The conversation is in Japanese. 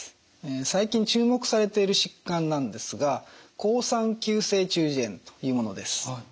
最近注目されている疾患なんですが好酸球性中耳炎というものです。